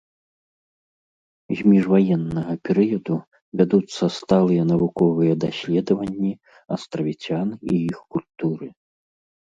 З міжваеннага перыяду вядуцца сталыя навуковыя даследаванні астравіцян і іх культуры.